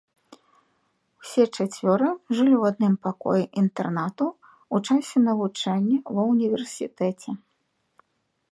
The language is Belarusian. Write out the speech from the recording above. Усе чацвёра жылі ў адным пакоі інтэрнату ў часе навучання ва ўніверсітэце.